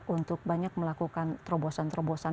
untuk banyak melakukan terobosan terobosan